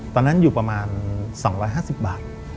ตอนนั้นอยู่ประมาณ๒๕๐บาท